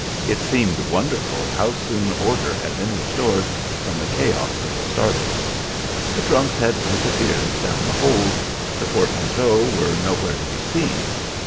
It seemed wonderful how soon order had been restored from the chaos of the starting. The trunks had disappeared down the hold; the portmanteaux were nowhere to be seen.